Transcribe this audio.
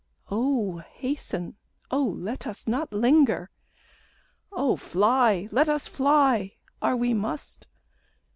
Oh, hasten! oh, let us not linger! Oh, fly, let us fly, are we must!"